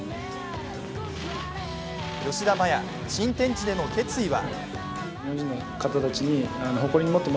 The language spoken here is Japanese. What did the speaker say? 吉田麻也、新天地での決意は？